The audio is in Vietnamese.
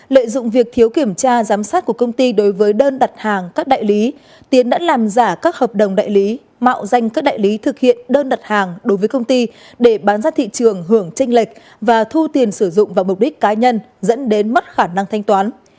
lợi dụng việc thiếu kiểm tra giám sát của công ty đối với đơn đặt hàng các đại lý tiến đã làm giả các hợp đồng đại lý mạo danh các đại lý thực hiện đơn đặt hàng đối với công ty để bán ra thị trường hưởng tranh lệch và thu tiền sử dụng vào mục đích cá nhân dẫn đến mất khả năng thanh toán